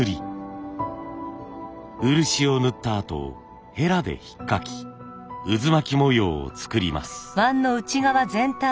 漆を塗ったあとヘラでひっかき渦巻き模様を作ります。